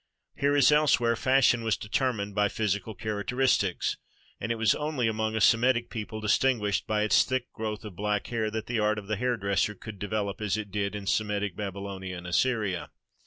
Here, as elsewhere, fashion was deter mined by physical characteristics, and it was only among a Semitic people distinguished by its thick growth of black hair that the art of the hair dresser could de velop as it did in Semitic Babylonia and Assyria.